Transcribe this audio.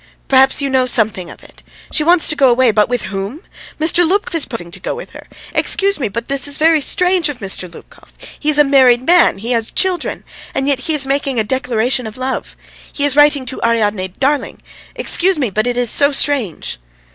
Perhaps you know something of it. She wants to go away, but with whom? Mr. Lubkov is proposing to go with her. Excuse me, but this is very strange of Mr. Lubkov; he is a married man, he has children, and yet he is making a declaration of love; he is writing to Ariadne 'darling.' Excuse me, but it is so strange!"